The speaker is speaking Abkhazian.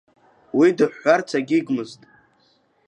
Уи дыҳәҳәарц агьигмызт.